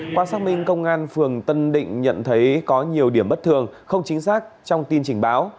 qua xác minh công an phường tân định nhận thấy có nhiều điểm bất thường không chính xác trong tin trình báo